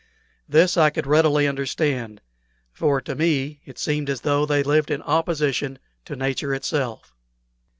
This I could readily understand, for to me it seemed as though they lived in opposition to nature itself.